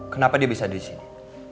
kenapa dia bisa di sini